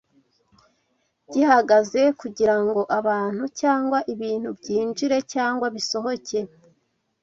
gihagaze kugira ngo abantu cyangwa ibintu byinjire cyangwa bisohoke